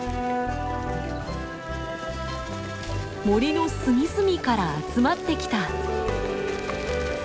森の隅々から集まってきた。